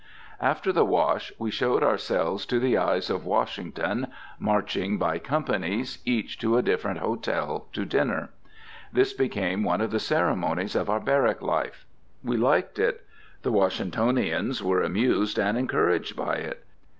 After the wash we showed ourselves to the eyes of Washington, marching by companies, each to a different hotel, to dinner. This became one of the ceremonies of our barrack life. We liked it. The Washingtonians were amused and encouraged by it.